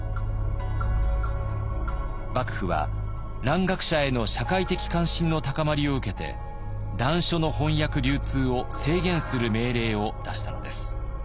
幕府は蘭学者への社会的関心の高まりを受けて蘭書の翻訳流通を制限する命令を出したのです。